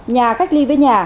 nhà cách ly với nhà